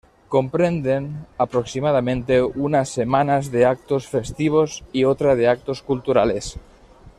Comprenden aproximadamente una semanas de actos festivos y otra de actos culturales.